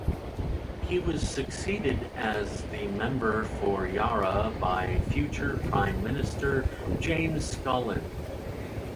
He was succeeded as the member for Yarra by future Prime Minister James Scullin.